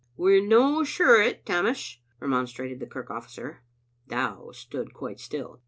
" We're no sure o't, Tammas," remonstrated the kirk officer. Dow stood quite still.